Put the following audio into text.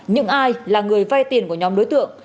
những ai là người vay tiền của nhóm đối tượng